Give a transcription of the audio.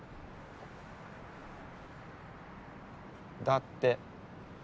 だって。